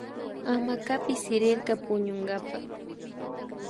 Hamacapi sirirka puñunkapa